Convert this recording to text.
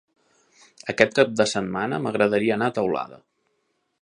Aquest cap de setmana m'agradaria anar a Teulada.